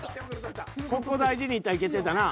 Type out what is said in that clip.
［ここ大事にいったらいけてたな］